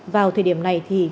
vào thời điểm này thì